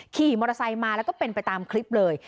ขี่มอเตอร์ไซค์มาแล้วก็เป็นไปตามคลิปเลย